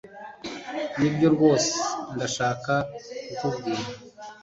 nibyo rwose ndashaka kukubwira